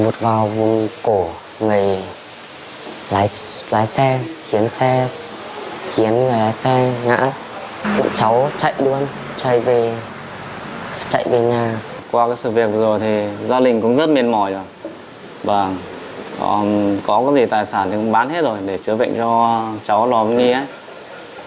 tài sản thì cũng bán hết rồi để chữa bệnh cho cháu lò văn khánh